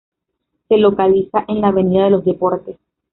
Se localiza en la "Avenida de los Deportes".